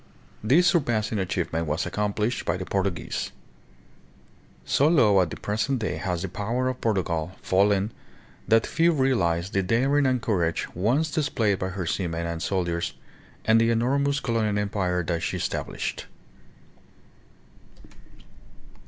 This surpassing achievement was accomplished by the Portuguese. So low at the present day has the power of Portugal fallen that few realize the daring and courage once displayed by her seamen and soldiers and the enor mous colonial empire that she established.